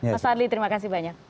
pak sarli terima kasih banyak